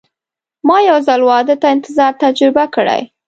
ما یو ځل واده ته انتظار تجربه کړی.